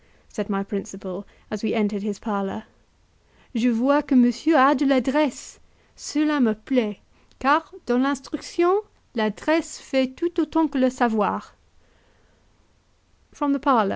said my principal as we entered his parlour. "Je vois que monsieur a de l'adresse; cela, me plait, car, dans l'instruction, l'adresse fait tout autant que le savoir." From the parlour M.